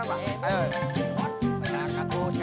cirebon perangkat terus sekarang